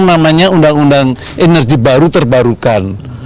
namanya undang undang energi baru terbarukan